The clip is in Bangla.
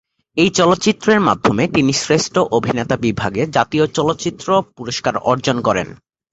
এই চলচ্চিত্রের মাধ্যমে তিনি শ্রেষ্ঠ অভিনেতা বিভাগে জাতীয় চলচ্চিত্র পুরস্কার অর্জন করেন।